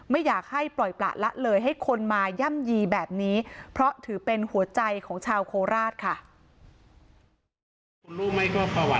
ไม่อยากให้ปล่อยประละเลยให้คนมาย่ำยีแบบนี้เพราะถือเป็นหัวใจของชาวโคราชค่ะ